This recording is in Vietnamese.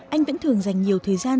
anh vẫn thường dành nhiều thời gian